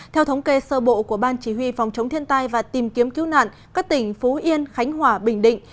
theo thống kê sơ bộ của ban chỉ huy phòng chống thiên tai và tìm kiếm cứu nạn các tỉnh phú yên khánh hòa bình định